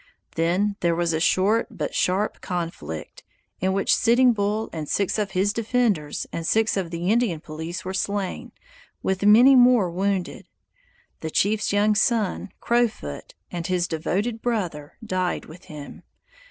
Then there was a short but sharp conflict, in which Sitting Bull and six of his defenders and six of the Indian police were slain, with many more wounded. The chief's young son, Crow Foot, and his devoted "brother" died with him.